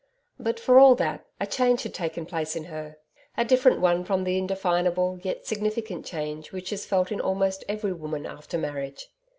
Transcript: But for all that, a change had taken place in her a different one from the indefinable yet significant change which is felt in almost every woman after marriage.